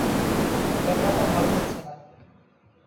ব্যাপারটা ভালো ঠেকছে না।